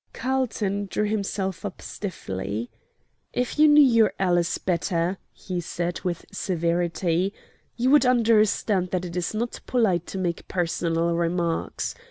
Carlton drew himself up stiffly. "If you knew your ALICE better," he said, with severity, "you would understand that it is not polite to make personal remarks.